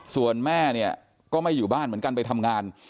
ส่วนแม่เนี่ยก็ไม่อยู่บ้านเหมือนกันไปทำงาน